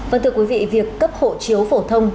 vâng thưa quý vị việc cấp hộ chiếu phổ thông